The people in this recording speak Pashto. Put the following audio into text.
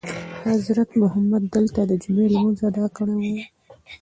حضرت محمد دلته دجمعې لمونځ ادا کړی وو.